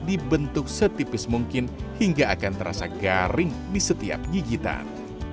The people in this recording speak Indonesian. dibentuk setipis mungkin hingga akan terasa garing di setiap gigitan